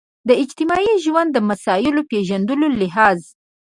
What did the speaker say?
د اجتماعي ژوند د مسایلو پېژندلو لحاظ.